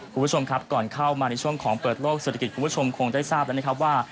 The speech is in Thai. คุณผู้ชมครับก่อนเข้ามาในช่วงของเปิดโลกเศรษฐกิจคุณผู้ชมคงได้ทราบแล้วนะครับว่า